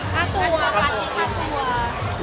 ค่าตัวค่าตัว